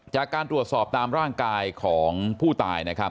จากการตรวจสอบตามร่างกายของผู้ตายนะครับ